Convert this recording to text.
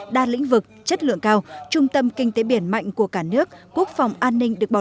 đa lĩnh vực chất lượng cao trung tâm kinh tế biển mạnh của cả nước quốc phòng an ninh được bảo